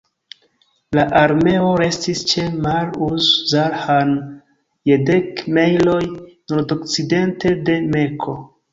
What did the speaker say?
La armeo restis ĉe Marr-uz-Zahran, je dek mejloj nordokcidente de Mekko.